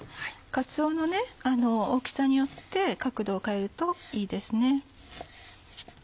かつおの大きさによって角度を変えるといいですね。